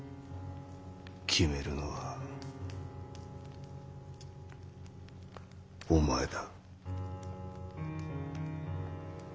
決めるのはお前だ。